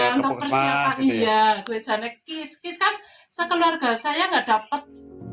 saya tidak bisa sekeluarga saya tidak dapat